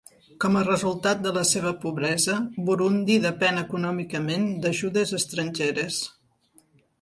Com a resultat de la seva pobresa, Burundi depèn econòmicament d'ajudes estrangeres.